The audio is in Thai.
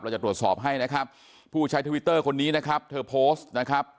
จะตรวจสอบให้นะครับผู้ใช้ทวิตเตอร์คนนี้นะครับเธอโพสต์นะครับ